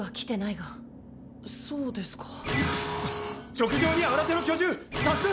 直上に新手の巨獣多数発見！